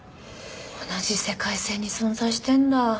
同じ世界線に存在してんだ。